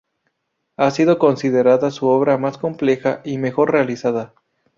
Ha sido considerada su obra más compleja y mejor realizada.